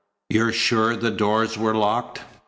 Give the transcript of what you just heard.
You're sure the doors were locked?"